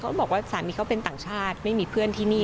เขาบอกว่าสามีเขาเป็นต่างชาติไม่มีเพื่อนที่นี่